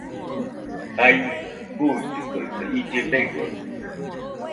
Jai buitɨkaɨsa , ille begode.